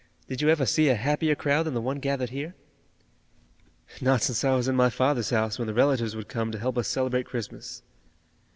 Did you ever see a happier crowd than the one gathered here?" "Not since I was in my father's house when the relatives would come to help us celebrate Christmas."